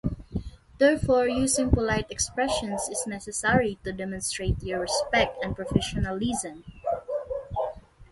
Therefore, using polite expressions is necessary to demonstrate your respect and professionalism.